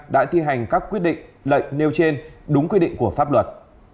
đã thi hành các quyết định lệnh nêu trên đúng quy định của pháp luật